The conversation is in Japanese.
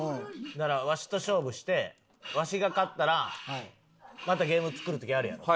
わしと勝負してわしが勝ったらまたゲーム作る時あるやろ？